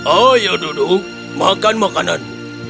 ayo duduk makan makanan